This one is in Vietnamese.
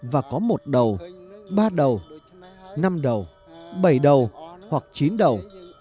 và có một đầu ba đầu năm đầu bảy đầu hoặc chín đầu